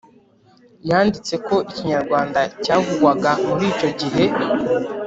Yanditsemo ko ikinyarwanda cyavugwaga muri icyo gihe